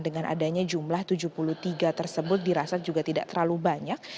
dengan adanya jumlah tujuh puluh tiga tersebut dirasa juga tidak terlalu banyak